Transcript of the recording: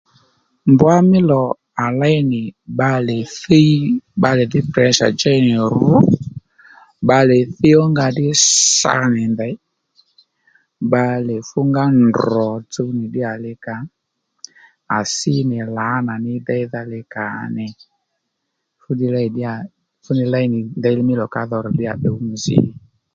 Mbwa mí lò à léy nì bbalè thíy bbalè dhí precha djéy nì ru bbalè thíy ónga ddí sa nì ndèy bbalè fungá ndrò tsuw nì li kǎ à sí nì lǎnà ní déydha li kǎ nì fúddiy lêy ddíyà fúddiy léy nì ndeylí mí lò ka dho rr̀ ddíyà dòng nzǐ